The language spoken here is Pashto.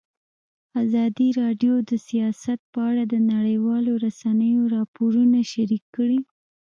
ازادي راډیو د سیاست په اړه د نړیوالو رسنیو راپورونه شریک کړي.